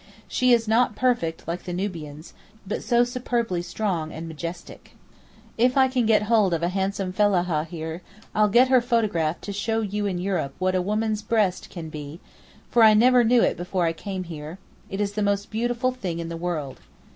She is not perfect like the Nubians, but so superbly strong and majestic. If I can get hold of a handsome fellahah here, I'll get her photographed to show you in Europe what a woman's breast can be, for I never knew it before I came here—it is the most beautiful thing in the world.